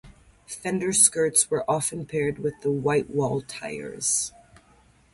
Fender skirts were often paired with whitewall tires.